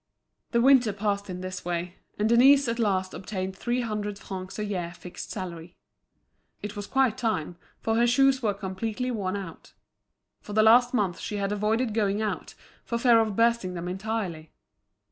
The winter passed in this way, and Denise at last obtained three hundred francs a year fixed salary. It was quite time, for her shoes were completely worn out. For the last month she had avoided going out, for fear of bursting them entirely.